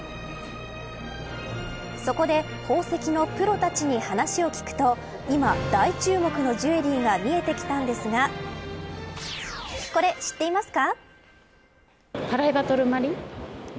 そこで宝石のプロたちに話を聞くと今、大注目のジュエリーが見えてきたんですがこれ、知っていますか。